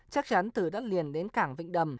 chắc chắn từ đất liền đến cảng vịnh đầm